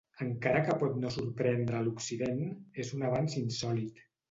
Encara que pot no sorprendre a l'Occident, és un avanç insòlit.